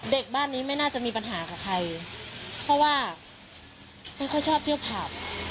บ้านนี้ไม่น่าจะมีปัญหากับใครเพราะว่าไม่ค่อยชอบเที่ยวผับ